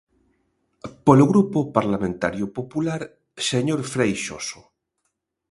Polo Grupo Parlamentario Popular, señor Freixoso.